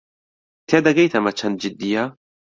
تێدەگەیت ئەمە چەند جددییە؟